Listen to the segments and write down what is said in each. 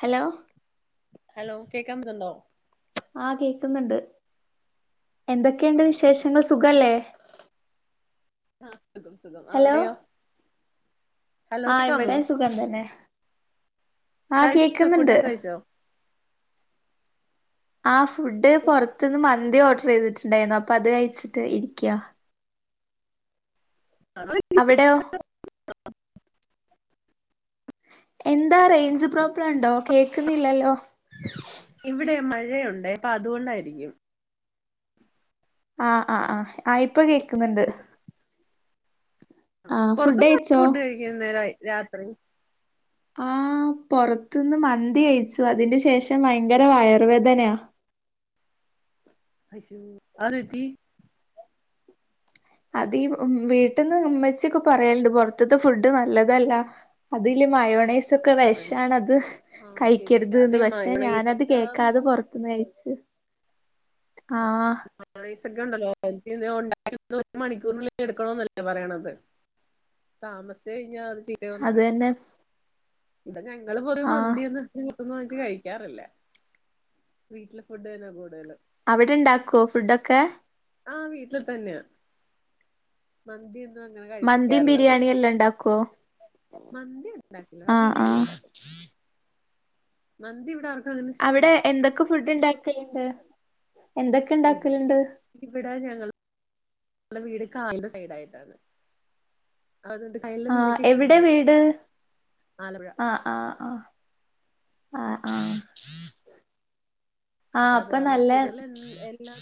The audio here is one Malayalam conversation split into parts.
ഹലോ ഹലോ കേക്കാ [unintelligible] ന്നുണ്ടോ ആഹ് കേക്ക്ന്ന്ണ്ട് എന്തൊക്കെയ്ണ്ട് ആഹ് വിശേഷങ്ങൾ സുഖല്ലേ ആഹ് സുഖം സുഖം ഹലോ അവിടെയോ ഹലോ ആ കേക്കാമോ ഇവിടെ സുഖം തന്നെ ആ കഴ്ച്ചോ ഫുഡ് കേക്കുന്നുണ്ട് ഒക്കെഴിച്ചോ ആഹ് ഫുഡ് പൊറത്ത്ന്ന് മ ന്തി ഓർഡർ ചെയ്തിട്ടുണ്ടായ്ന്നു അപ്പൊ അത് കഴിച്ചിട്ട് ഇരിക്ക്യാ. അവിടോ എന്താ റേഞ്ച് പ്രോബ്ലം ഇണ്ടോ കേക്ക്ന്നില്ലല്ലോ ഇവടെ മഴയുണ്ടേ അപ്പൊ അതുകൊണ്ടായിരിക്കും. ആഹ് അ ആഹ് ആയിപ്പൊ കേക്കുന്നുണ്ട് ആ ഫുഡ് പുറത്തുന്ന് കഴിച്ചോ ഫുഡ് കഴിക്കുന്നേര രാത്രി ആ പുറത്തുന്ന് മന്തി കയിച്ചു അതിന് ശേഷം ഭയങ്കര വയർവേദനയാ [inaudible] അത് എന്തുപറ്റി അതീ വീട്ടിന്ന് ഉമ്മച്ചിക്കെ പറയലുണ്ട് പുറത്തത്തെ ഫുഡ് നല്ലതല്ല അതില് മായോണെസ് സൊക്കെ ആഹ് വിഷാണത് അത് ശരി കഴിക്കരു ശരി. ത് ന് അതെ പക്ഷെ ഞാനത് മയോണൈസൊക്കെ കേൾക്കാതെ പുറത്തന്ന് കഴിച്ച് ക്ക് മയോണൈസ് [unintelligible] ണ്ടല്ലോ എനിണ്ടായി [unintelligible] ഒരു മണിക്കൂറിള്ള എടുക്കണന്നല്ലേ പറയണത് താമസിച്ച് കഴിഞ്ഞാൽ അത് ചീത്തയാകുന്ന അത് പറയണത് തന്നെ ഞങ്ങൾ പൊതുവേ ആഹ് മന്തി ഒന്നും പുറത്തുനിന്ന് വാങ്ങിച്ച് കഴിക്കാറില്ല വീട്ടിലെ ഫുഡ് തന്ന കൂടുതലും അവിടെ ഇണ്ടാക്കുവോ ഫുഡൊക്കെ ആ വീട്ടിൽ തന്നെയ മന്തി മന്തിയും ബിരിയാണിയ എല്ലാം ഇണ്ടാക്കുവോ മന്തി ഉണ്ടാക്കില്ല ആ ബിരിയാണി ഉണ്ടാക്കും മന്തി ഇവിടെ ആ അവിടെ എന്തൊക്കെ ഫുഡ് ഇണ്ടാക്കല്ണ്ട് ഇവിടെ ഇവിടെ ഞങ്ങൾ വീട് കായലിന്റെ സൈഡ് ആയിട്ടാണ് അതുകൊണ്ട് കായലിലെ ആ മീനൊക്കെ ഇഷ്ടം എവിടെ പോലെ കിട്ടും വീട് ആലപ്പുഴ ആ ആ ആ ആ ആ അപ്പൊ അത് കാരണം കൂടുതൽ എ എല്ലാ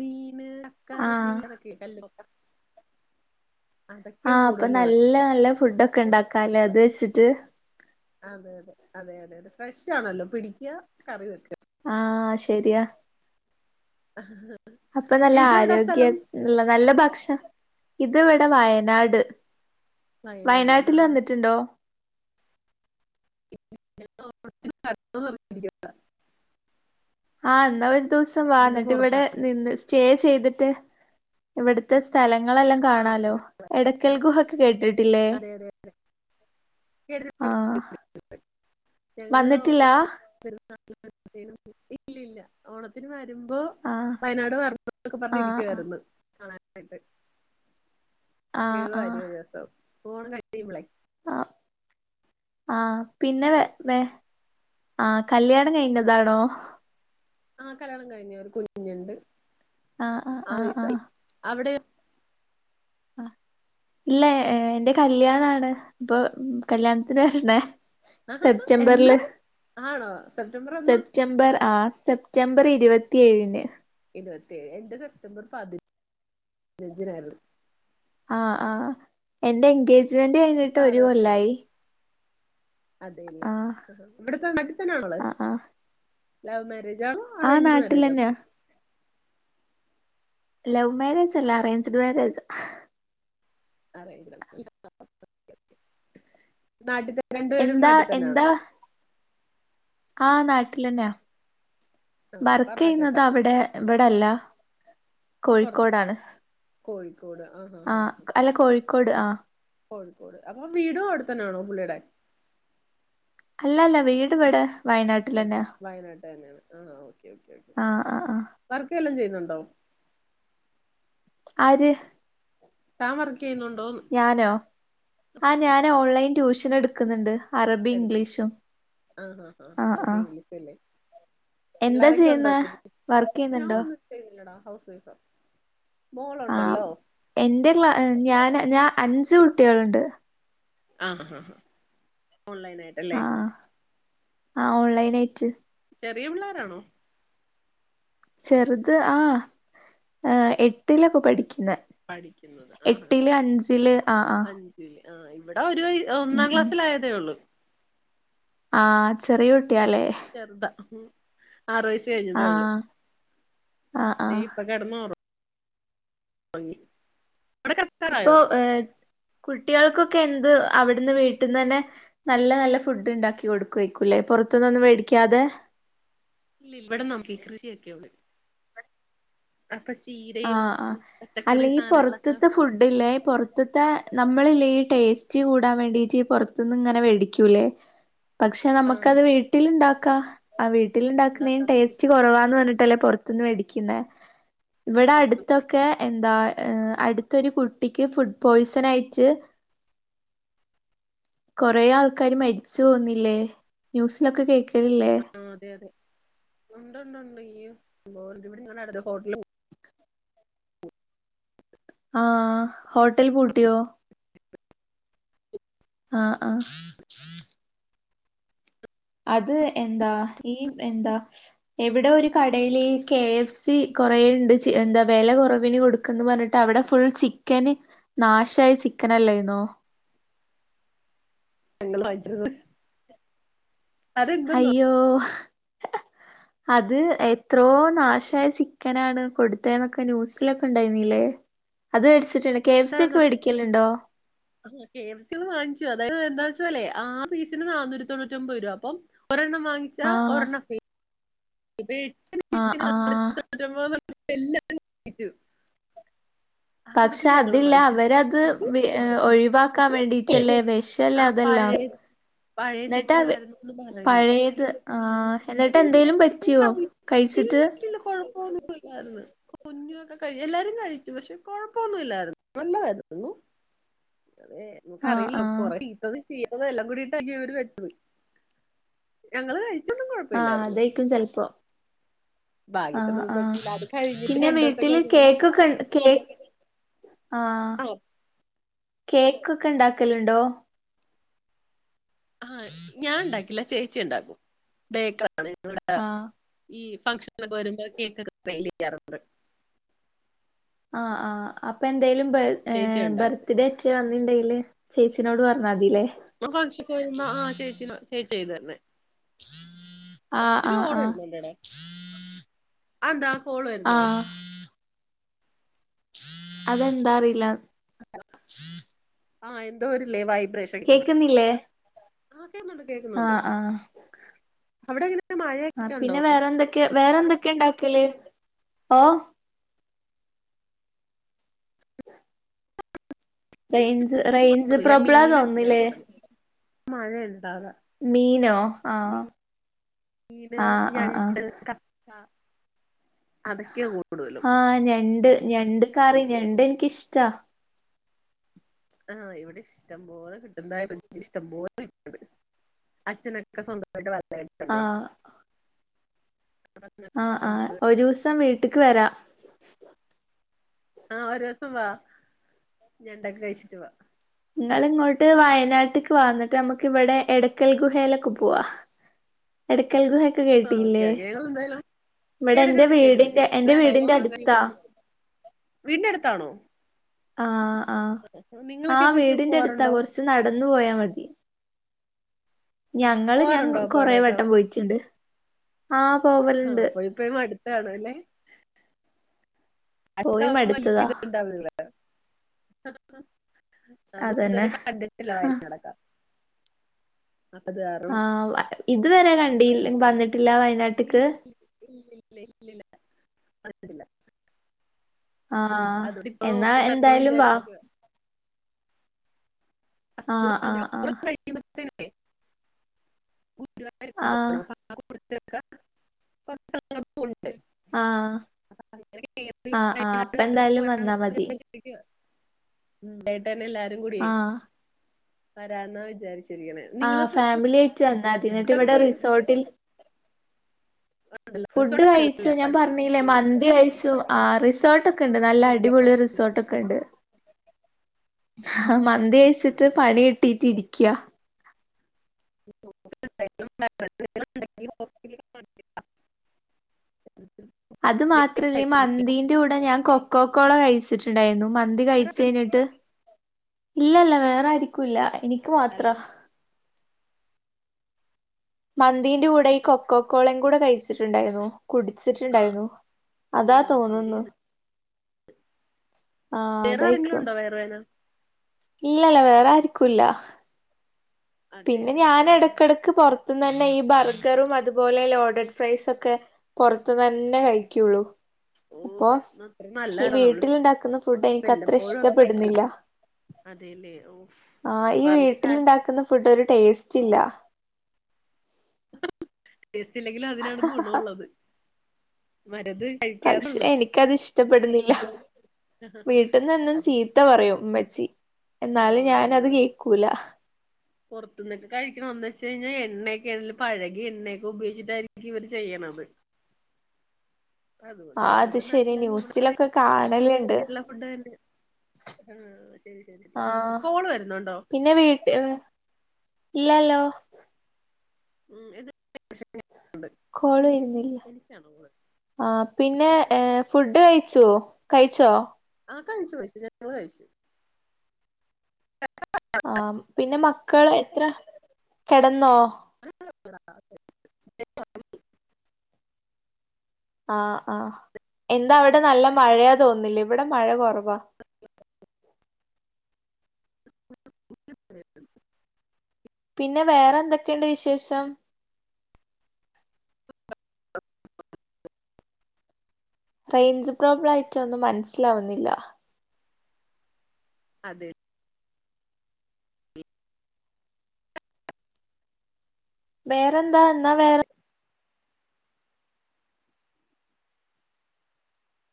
മീൻ മീൻ കക്ക ആഹ് ഇറച്ചി കല്ലുമ്മ ആ അപ്പൊ കൂടുതൽ ഇവിടെ നല്ല നല്ല ഫുഡ് ഒക്കെ ഉണ്ടാക്കല്ലേ അത് വെച്ചിട്ട് അതെ അതെ അതെ അതെ അതെ ഫ്രഷ് ആണല്ലോ പിടിക്കുക കറി വെക്ക് ആഹ് ശരിയാ [inaudible] അപ്പൊ നല്ല ഇത് എവിടാ സ്ഥലം ആരോഗ്യള്ള നല്ല ഭക്ഷ ഇത് ഇവിടെ വയനാട് വയനാടല്ലേ വയനാട്ടിൽ ആഹ് വന്നിട്ടുണ്ടോ [unintelligible] ആ എന്നാൽ ഒരു ദിവസം വാ എന്നിട്ട് ഇവിടെ പുറത്താണ് നിന്ന് സ്റ്റേ ചെയ്തി ട്ട് ഇവിടുത്തെ സ്ഥല ങ്ങളെല്ലാം ആഹ് കാണാലോ അതെ എടയ്ക്കൽ ഗുഹക്കെ കേട്ടിട്ടില്ലേ അതെ കേട്ടിട്ടുണ്ട് ആഹ് [unintelligible] ഞങ്ങള് വന്നിട്ടില്ല [unintelligible] ഇല്ലല്ല ഓണത്തിന് മാ കുമ്പോ ആഹ് വയനാട് വറണൂ ന്നൊക്കെ ആഹ് ആഹ് പറഞ്ഞിരിക്കുവായിരുന്നു കാണാനായിട്ട് ആഹ് ഞങ്ങള് വരും ഒരു ദിവസം ഓണം കഴിയുമ്പളെ ആ ആ പിന്നെ വേ വേ ആ കല്യാണം കഴിഞ്ഞതാണോ ആ കല്യാണം കഴിഞ്ഞു ഒരു കുഞ്ഞുണ്ട് ആഹ് ആഹ് ആറ് ആഹ് വയസായി അവിടയൊ ആ ഇല്ല എന്റെ കല്യാണാണ് ഇപ്പൊ കല്യാണത്തിന് വരണേ ആ ആ സെപ്റ്റംബറില് എന്നാണ് ആണോ സെപ്റ്റംബർ എന്നാ സെപ്റ്റംബർ ആ സെപ്റ്റംബർ ഇരുപത്തിഏഴിന് ഇരുപത്തിഎഴു എന്റെ സെപ്റ്റംബർ പതിന പതിനഞ്ചിനായിരുന്നു ആ ആഹ് എന്റ എൻഗേജ്മെന്റ് കഴിഞ്ഞിട്ട് ആറ് ഒരു വർഷം കഴിഞ്ഞ് കൊല്ലായി അതെല്ലേ ആ ഇവിടത്തെ നാട്ടിത്തന്നാണോ ആളെ ആ ആ ലവ് മാരേജ് ജാണോ ആ അറേഞ്ച്ട് മാരേജാണോ നാട്ടിലെന്നെയാ ലവ് മോരേജ് അല്ല അറേഞ്ച്ഡ് മാരേജ് ആ [unintelligible] നാട്ട്ത്തെ രണ്ട് പേരും എന്താ നാട്ടി തന്നെയാണ് എന്താ ആ നാട്ടിലന്നെയ ആഹ് അപ്പൊ അവിടൊക്കെ വർകെയുന്നത് അവ്ടെ ഇവിടെല്ല കോഴിക്കോടാണ് കോട് ആ ആ അല്ല കോഴിക്കോട് ആ കോഴിക്കോട് അപ്പൊ വീടും അവിടെ തന്നെയാണോ പുള്ളിയടെ അല്ല അല്ല വീട് ഇവിടെ വയനാട്ടിലെന്നെയാ വയനാട്ട്കാരനാണ് ആ ഓക്കെ ഓകെ ഓക്കെ ആ ആ ആ വർക്ക് വല്ലോം ചെയ്യുന്നു ട്ടോ ആര് താൻ വർ ഞാനോ ആ ഞാൻ ഓൺലൈൻ ട്യൂഷൻ എട്ക്ക്‌ന്നുണ്ട് എട്ക്ക്‌ന്ന് ആ ആ ഹ അറബി ഇംഗ്ലീഷും അല്ലേ എന്താ പിള്ളാരൊക്കെ ഉണ്ടോ ചെയ്യുന്നെ വർക്ക് ഞാൻ ചെയ്യുന്നുണ്ടോ ഒന്നും ഇട്ടുന്ന്ല്ലടാ ഹൗസ് വൈഫാ ആ മോളുണ്ടല്ലോ എന്റെ ക്ല ഞാൻ ഞാൻ അഞ്ച് കുട്ടികളുണ്ട്. ആ ആ ആ ഓൺലൈൻ ആയിട്ടല്ലേ ആഹ് ആ ഓൺലൈൻ ആയിറ്റ്. ചെറിയ പിള്ളാരാണോ ചെറുത് ആ എട്ടിലാ പഠി ക്കിന്ന പഠിക്കുന്നത് ആഹ് എട്ടില് അഞ്ചില് ആ ആ ഇവിട ഒരു ഉം ഒന്നാം ഉം ക്ലാസ്സിലായതേള്ളൂ ആ ചെറിയ കുട്ടിയാല്ലേ ചെറുതാ ആറു വയസ്സു കഴിഞ്ഞതേ ഉള്ളു ആഹ് ആഹ് ദേ ആഹ് ഇപ്പൊ കിടന്നു ഒറ- ഉറങ്ങി അപ്പൊ കുട്ടികൾക്കൊക്കെ എന്ത് അവിട്ന്ന് വീട്ട്ന്ന് തന്നെ നല്ല നല്ല ഫുഡ് ഉണ്ടാക്കി കൊടുകേക്കുംല്ലേ ഇപ്പൊ പുറത്ത്ന്നൊന്നും വേടിക്കാതെ ഇല്ല ഇവിടെ നമുക്ക് ഈ കൃഷിയൊക്കെയളെ ആ ആ അല്ലെങ്കിൽ സാധനങ്ങളൊക്കെ പൊറത്ത്ത്തെ ഫുഡ് ഇല്ലേ പൊറത്ത്ത്തെ നമ്മള്ല്ലേ ടേസ്റ്റ് കൂടാൻ വേണ്ടീട്ട് പുറത്ത്ന്ന് ഇങ്ങനെ വേടിക്കൂല്ലേ പക്ഷെ നമക്കത് വീട്ടിൽ ഉണ്ടാക്ക ആ വീട്ടില്ണ്ടാക്ക്‌ന്നയിന് ഉണ്ടാക്കാൻ ടേസ്റ്റ് കുറവാന്ന് പറ ത്തല്ലേ പുറത്തുന്ന് വേടിക്കിന്നെ വ്ടെ അടുത്തൊക്കെ എന്താ അട്ത്തൊരു കുട്ടിക്ക് ഫുഡ് പോയ്സൺ ആയിട്ട് കൊറെേ ആൾക്കാാര് മരിച്ച്ു പോന്നില്ലേ ന്യൂസിലൊക്കെ കേക്ക ആ അതെ അതെ ഉണ്ട്ണ്ട്ണ്ട് ഈ ഇ [unintelligible] ഹോട്ടല് ആഹ ഹോട്ടൽ പൂട്ടിയോ ആഹ ആഹ അത് എന്താ ഈ എന്താ എവ്ടെ ഒരു കടയിൽ കെ എഫ് സി കുറേണ്ട് ച്ച് എന്താ വില കുറവിന് കൊടുക്കന്ന് പറഞ്ഞിട്ട് അവിടെ ഫുൾ ചിക്കന് നാശയ ചി ക്കനല്ലനോ ങ്ങള് വാഴിച്ച്ണ് അയ്യോ അ അത് എത്രോ നാശായ ചിക്കനാണ് കൊടുത്തേ ന്നൊക്കെ ന്യൂസിലൊക്കെ ഉണ്ടായിന്നില്ലേ അത്േടിച്ചിട്ട് ഉണ്ടായിരുന്നു കെ എഫ് സള് വാങ്ങിച്ചു അതായത് എാ ത്തല്ലേ ആ വീട്ടിന്ന് നാനൂറ്റി തൊണ്ണൂറ്റി ഒമ്പത് രൂപ അപ്പൊ ഒരെണ്ണം വാങ്ങിച്ച ഒരെണ്ണം ഫ്രീ ഉബേറ്റ് ആഹ ആഹ ല്ലാം [unintelligible] പക്ഷെ അതില്ല അവരത് പക്ഷെ ഒഴിവാക്കാൻ വേണ്ടീട്ടല്ലേ ആ വിഷല്ല അതല്ല പഴയ പഴയ ചിക്കൻ ആയിരുന്നുന്ന് പറയുന്നു ആ പക്ഷ കല്ലല്ല കൊഴപ്പൊന്നും പോന്ന് കുഞ്ഞുവൊക്കെ കഴ എല്ലാരും കഴിച്ചു പക്ഷെ കൊഴപ്പൊന്നുമല്ലായിരുന്നു നല്ലതായിരുന്നുരുന്നു അതെ ആഹ് നമക്ക്റിയില്ലോ ആഹ് കൊറേ കീട്ടത് ചീരതെല്ലാം കൂടിട്ടര് വത്ത ഞങ്ങള്ൾ കഴിച്ചൊന്നും കുഴപ്പമില്ലായിരുന്നു അതക്കും ചിലപ്പോ ആഹ ഭാഗ്യത്തിനൊന്നും ആഹ പറ്റിയില്ല അത് കഴിഞ്ഞിട്ട് പിന്നെ രണ്ടൂസം വീട്ടില് കഴിഞ്ഞപ്പഴ് കേക്ക്ൊ കെ കേക്ക് ആഹ ആഹ് കേക്കൊക്കെ ഇണ്ടാക്കലുണ്ടോ ആഹ ഞാൻ ഉണ്ടാക്കില്ല ചേച്ചി ഉണ്ടാക്കും ബേക്കറാണ് ങ്ങളടെ ആഹ് ഈ ഫംഗഷനൊക്കെ വരുമ്പോ കേക്ക്ൊക്കെ െൽ ചെയ്യാറുണ്ട് ആഹ ആ് അപ്പൊ എന്തായാലും ചേച്ചി ഉണ്ടാക്കും ബർത്ത്ഡേ ഒ വ ണ്ടല്േ ചേച്ചിനോട് പറഞ്ഞാൽ മതില്ലേ ആ ഭക്ഷക്കന്ന ആ ചേച്ചി ചേച്ചി ചെയ് തരന്നെ ആഹ് ഒത്തിരി ആഹ് ഓള ആഹ് വരുന്നുണ്ട്ട ആ എന്താ കോ ഓള വരുന്നാ ആഹ് അതെന്താ അറിയില്ല [inaudible] ആഹ എന്തോ വരില്ലേ വായ്പ കേക്കുന്നില്ലേ കേ കേക്കുന്നുണ്ട് ആഹ് അവിടെങ്ങെ ആ പിന്നെ വേറെ എന്തൊക്കെ വേറെന്തൊക്കെയ ഉണ്ടാക്കല് ഓ ഉ [unintelligible] റേഞ്ച് റേഞ്ച് പ്രോബ്ലാ തോന്നില്ലേ മഴ എട്ടതെ മീനോ ആഹ് ീന് ആഹ് ആഹ് ആഹ് ഞണ്ട ക [inaudible] അതക്കെ കൂടുതലും ആഹ് ഞണ്ട് ഞണ്ട് കറി ഞണ്ട് എനിിക്കിഷ്ടാ ആഹ് ഇവിടെ ഇഷ്ടംപോലെ കിട്ടുന്നതായ ഇഷ്ടംപോലെ കിട്ടത് അച്ഛനൊക്കെ സ്വന്തമായിട്ട് ആഹ് [unintelligible] ആഹ് ഇഷ്ടം ആഹ് പോലെ ഒരു കിട്ടും ദിവസം വീട്ടിക്ക് വരാം ആഹ് ഒരു ദിവസം വാ ഞണ്ടൊക്കെ കഴിച്ചിട്ട് പോവാം നിങ്ങളിങ്ങോട്ട് വയനാട്ടിക്ക് വന്നിട്ട് നമുക്ക് ഇവിടെ എടയ്ക്കൽ ഗുഹയിലൊക്കെ പോവാ എടക്കൽ ഗുഹയൊക്കെ ആഹ് ഓക്കെ കേട്ടിട്ടില്ലേ ഓക്കെ ഞങ്ങൾ എന്തായാലും ഇവിടെ എന്റെ കേട്ടിട്ടുണ്ട് കേട്ടിട്ടുണ്ട് വീടിന്റെ എന്റെ വീടിന്റെ അടുത്താ വീൻന്റെ അടുത്താണോ ആഹ് ആഹ് ആ നിങ്ങളൊക്കെ ഇപ്പ എപ്പഴും വീടിന്റെ അടുത്താ പോവാറുണ്ടോ കുറച്ച് നടന്നു പോയാ മതി ഞങ്ങള് ഞാൻ പോവാറുണ്ടോ അപ്പൊ കൊറെ അവിടെയൊക്കെ വട്ടം പോയിട്ടുണ്ട് ആ ആഹ് പോയിപ്പോയി മടുത്ത് കാണുമല്ലേ പോയി മടുത്തതാ [unintelligible] ഞാൻ അതന്നെ ഇതുവരെ കണ്ടിട്ടില്ല വയനാടൊക്കെ അതാറും ആഹ് ഇതുവരെ കണ്ടില്ല വന്നിട്ടില്ല വയനാട്ട്ക്ക് ഇല്ലില്ല ഇല്ലില്ല കണ്ടിട്ട് ഇല്ല ആഹ് എന്നാ എന്തായാലും വാ വിചാരിച്ചിരിക്കുവാ. ആഹ് ഹസ്ബൻഡ് ആഹ് ഓണം ആഹ് ആഹ് [unintelligible] [unintelligible] ആഹ് അങ്ങനെ കേറി ആഹ് ആഹ് അപ്പ വയനാട് കേറി എന്തായാലും വന്നാ മതി മ് സൺ‌ഡേ തന്നെ എല്ലാരും കൂടിയെ ആഹ് വരാന്നാ വിചാരിച്ചേ ആഹ് ഫാമിലി ആയിട്ട് വന്നാ മതി എന്നിട്ട് ഫുഡൊക്കെ ഇവിടെ കഴിച്ചിട്ടുണ്ടല്ലോ? റിസോർട്ടിൽ ഫുഡ് റിസോർട്ട് കഴിച്ചു ഞാൻ ആയിരുന്നല്ലേ? പറഞ്ഞില്ലേ മന്തി കഴിച്ചു ആറി റിസോർട്ട് ഒക്കെ ആ ഉണ്ട് മന്തി നല്ല മന്തി ആ അടിപൊളി ശരി. റിസോർട്ട് ഒക്കെ ഉണ്ട് ആഹ് ആ. മന്തികഴച്ചിട്ട് പണി കിട്ടിട്ട് ഇരിക്യാ [unintelligible] [unintelligible] അത് മാത്രല്ല മന്തീന്റെ കൂടെ ഞാൻ കൊക്കോ കോള കഴിച്ചിട്ടുണ്ടായിരുന്നു മന്തി വേറെ കഴിച്ച് ആർക്കെങ്കിലും- കഴിഞ്ഞിട്ട് ഇല്ലല്ല വേറെ ആരീക്കുല്ല നിക്ക് മാത്ര ഹലോ. മന്തിന്റെ കൂടെ ഈ കൊക്കോക്കോളയും കൂടെ കഴിച്ചിട്ടുണ്ടായിരുന്നു ആ. കുടിച്ചിട്ടുണ്ടായിരുന്നു ഓ അതാ അതിന്റെ തോനുന്നു ആണ്. വേറെ ആരെങ്കിലും ഉണ്ടോ വയറു വേദന ഇല്ലല്ല വേറെ ആർക്കൂല്ല പിന്നെ അതെല്ലേ ഞാൻ ആഹ് ഇടക്കിടക്ക് പുറ തൂന്നെല്ലാം ഈ ബർഗറും അതുപോലെ ലോഡഡ് ഫ്രൈസ് ഒക്കെ പൊറത്തുന്ന് തന്നെ ആഹ് കഴിക്കുള്ളൂ ഓഹ് അപ്പൊ അതൊന്നും അത്ര ഈ നല്ലതല്ല നമ്മള് വീട്ടിലുണ്ടാക്കുന്ന ഫുഡ് എനിക്കത്ര വല്ലപ്പോഴും ഒക്കെ കഴിക്കല ഇഷ്ടപ്പെടുന്നില്ല അതെല്ലേ ഉഫ് അത് പറഞ്ഞിട്ട് കാര്യ ഇതൊരു ടേസ്റ്റില്ല ടേസ്റ്റില്ലെങ്കിലും അതിനാണ് ഗുണോള്ളത് പക്ഷെ എനിക്കതിഷ്ടപ്പെടുന്നില്ല വീട്ടിന്ന് എന്നും അത് ചീത്ത പറയും ഉമ്മ ച്ചി എന്നാലും ആഹ് ഞാൻ അത് നമ്മള് കേക്കൂല പുറത്തുന്നൊക്കെ കഴിക്കണമെന്ന് വെച്ച് കഴിഞ്ഞാ എണ്ണയൊ ൽ പഴകിയ എണ്ണയൊക്കെ ഉപയോഗിച്ചിട്ടായിരിക്കും ഇവര് ചെയ്യണത് അതുകൊണ്ട് ആഹ് അത് എന്തുകൊണ്ടും ശെരിയ നല്ലത് നമ്മുടെ ന്യൂസിലൊക്കെ കാണല് വീട്ടിലെ ഫുഡ് തന്നെ മ് ആഹ് പിന്നെ വീട്ട് ഇല്ലല്ലോ മ് [unintelligible] കോള് വരുന്നില്ല കോള് ആഹ് പിന്നെ ഏ ഫുഡ് കഴിച്ചുവോ കഴിച്ചോ ആഹ് കഴിച്ചു കഴിച്ചു ഞങ്ങള് കഴിച്ചു ആ പിന്നെ മക്കള് എത്ര കിടന്നോ [inaudible] ആഹ് ആഹ് എന്താ അവിടെ നല്ല മഴയാ തോന്നില്ലേ ഇവിടെ മഴ കൊറവാ [unintelligible] പിന്നെ വേറെ എന്തൊക്കെയുണ്ട് വിശേഷം [inaudible] റേഞ്ച് പ്രോബ്ലം ആയിട്ടൊന്നും മനസ്സിലാവുന്നില്ലാ അതെ വേറെന്താ എന്നാ വേറെ